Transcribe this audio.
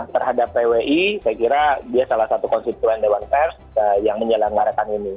terhadap pwi saya kira dia salah satu konstituen dewan pers yang menyelenggarakan ini